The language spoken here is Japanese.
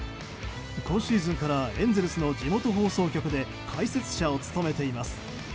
今シーズンからエンゼルスの地元放送局で解説者を務めています。